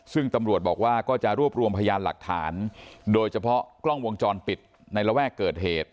ซึ่งตำรวจบอกว่าก็จะรวบรวมพยานหลักฐานโดยเฉพาะกล้องวงจรปิดในระแวกเกิดเหตุ